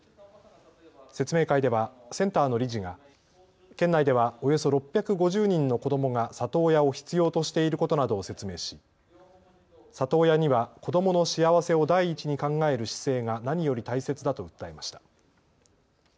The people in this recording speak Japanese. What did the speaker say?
説明会ではセンターの理事が県内ではおよそ６５０人の子どもが里親を必要としていることなどを説明し里親には子どもの幸せを第一に考える姿勢が何より大切だと訴えました。